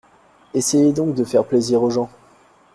Essayez donc de faire plaisir aux gens !